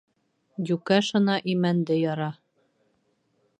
Йүкә шына имәнде яра.